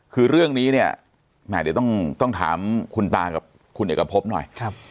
คือเรื่องนี้เนี่ยแหมเดี๋ยวต้องถามคุณตากับคุณเอกพบหน่อย